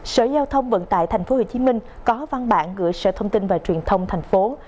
sở giao thông vận tải tp hcm có văn bản gửi sở thông tin và truyền thông tp hcm